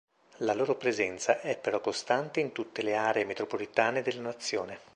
La loro presenza è però costante in tutte le aree metropolitane della nazione.